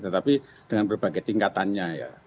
tetapi dengan berbagai tingkatannya